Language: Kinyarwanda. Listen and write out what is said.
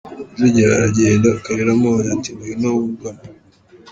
Rujugira aragenda, Kalira amubonye ati "Ngwno wugame".